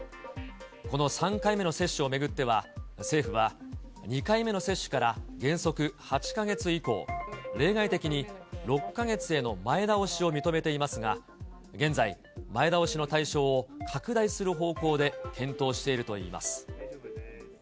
この３回目の接種を巡っては、政府は２回目の接種から原則８か月以降、例外的に６か月への前倒しを認めていますが、現在、前倒しの対象を拡大する方向で検討しているといいます。